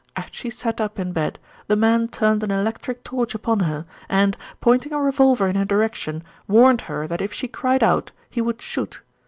As she sat up in bed, the man turned an electric torch upon her and, pointing a revolver in her direction, warned her that if she cried out he would shoot.